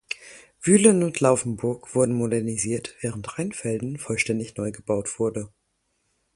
Wyhlen und Laufenburg wurden modernisiert, während Rheinfelden vollständig neu gebaut wurde.